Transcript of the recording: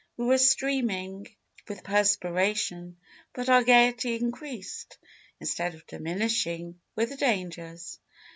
We were streaming with perspiration, but our gaiety increased, instead of diminishing, with the dangers.